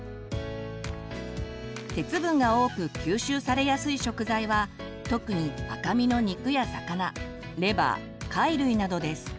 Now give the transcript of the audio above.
鉄分が多く吸収されやすい食材は特に赤身の肉や魚レバー貝類などです。